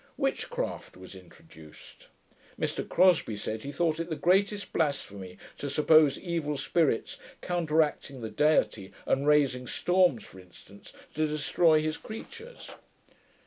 Witchcraft was introduced. Mr Crosbie said, he thought it the greatest blasphemy to suppose evil spirits counteracting the Deity, and raising storms, for instance, to destroy his creatures.